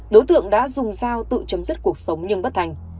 đối tượng đã dùng dao tự chấm dứt cuộc sống nhưng bất thành